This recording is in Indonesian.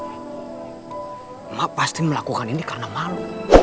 mama pasti melakukan ini karena malu